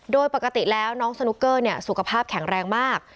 โดยปกติแล้วน้องสนุกเกอร์สุขภาพแข็งแรงมาก